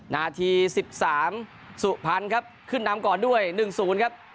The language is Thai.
นาทีสิบสามสุภัณฑ์ครับขึ้นน้ำก่อนด้วยหนึ่งศูนย์ครับ